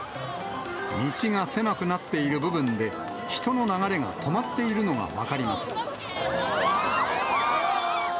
道が狭くなっている部分で、人の流れが止まっているのが分かります。